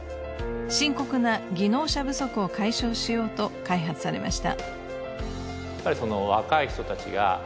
深刻な技能者不足を解消しようと開発されました。